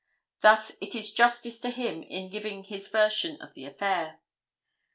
Thus it is justice to him in giving his version of the affair.